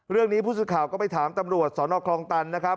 เรื่องนี้พฤศกะแล้วก็ไปถามตำรวจสรณครองตันนะครับ